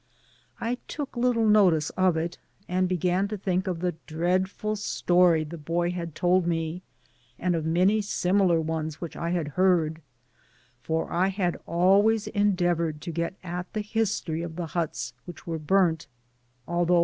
I took little notice of it, and began to think of the dreadful story the boy had told me, and of many similar ones which I had heard; for I had Digitized byGoogk THE PAMPAl. 91 always endeavoured to get at the history of the huts which were burnt, although.